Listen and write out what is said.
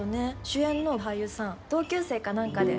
主演の俳優さん同級生か何かで。